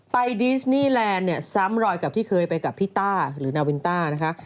ไปดิสนี่แลนด์เนี่ยซ้ำรอยกับที่เคยไปกับพี่ต้าหรือนาวินต้านะคะ